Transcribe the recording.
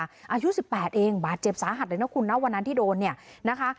อายุ๑๘เองบาดเจ็บสาหัสเลยนะคุณนะวันนั้นที่โดนเนี่ยนะคะ